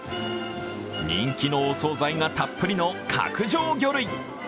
人気のお総菜がたっぷりの角上魚類。